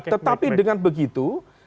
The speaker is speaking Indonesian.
tetapi dengan begitu